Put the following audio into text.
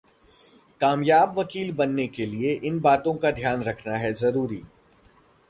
कामयाब वकील बनने के लिए इन बातों को ध्यान रखना है जरूरी